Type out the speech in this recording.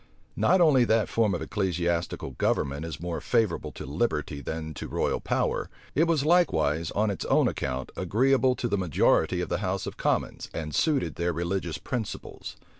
Not only that form of ecclesiastical government is more favorable to liberty than to royal power; it was likewise, on its own account, agreeable to the majority of the house of commons, and suited their religious principles.